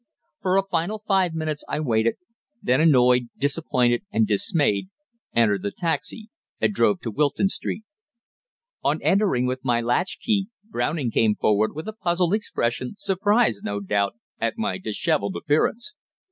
For a final five minutes I waited; then annoyed, disappointed and dismayed, entered the taxi, and drove to Wilton Street. On entering with my latch key, Browning came forward with a puzzled expression, surprised, no doubt, at my dishevelled appearance.